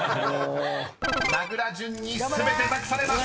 ［名倉潤に全て託されます］